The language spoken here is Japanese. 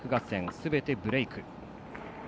すべてブレーク。